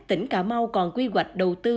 tỉnh cà mau còn quy hoạch đầu tư